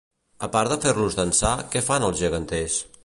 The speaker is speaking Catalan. A part de fer-los dansar, què fan els geganters?